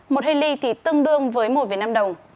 một hê ly thì tương đương với một năm đồng